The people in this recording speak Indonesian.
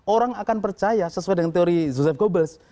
orang akan percaya sesuai dengan teori joseph goebbels